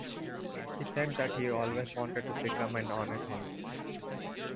He has said that he always wanted to become an ornithologist.